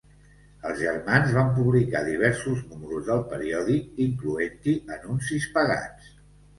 Els germans van publicar diversos números del periòdic, incloent-hi anuncis pagats.